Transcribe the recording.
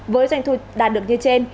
với doanh thu đạt được như trên